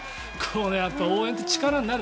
応援って力になる。